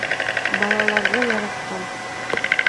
Балаларҙы яратҡан.